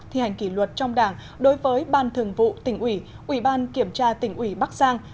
thi hành kỷ luật trong đảng đối với ban thường vụ tỉnh ủy ủy ban kiểm tra tỉnh ủy bắc giang